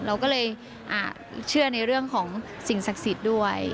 เราก็เลยเชื่อในเรื่องของสิ่งศักดิ์สิทธิ์ด้วย